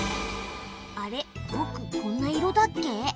あれぼくこんな色だっけ？